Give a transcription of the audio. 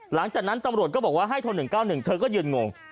หลังจากนั้นตำรวจก็บอกว่าให้โทรหนึ่งเก้าหนึ่งเธอก็ยืนงง